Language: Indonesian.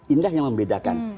ini yang membedakan